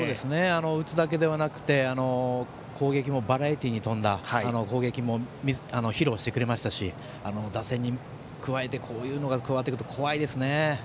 打つだけではなくてバラエティーに富んだ攻撃も披露してくれましたし打線に加えて、こういうのが加わってくると怖いですね。